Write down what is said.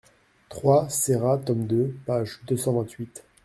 trois Serra, tome deux, page deux cent vingt-huit.